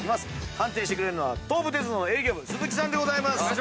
判定してくれるのは東武鉄道の営業部鈴木さんでございます。